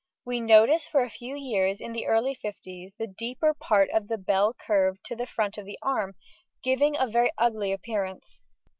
We also notice for a few years in the early fifties the deeper part of the bell curved to the front of the arm, giving a very ugly appearance.